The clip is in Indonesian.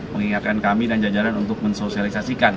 mengingatkan kami dan jajaran untuk mensosialisasikan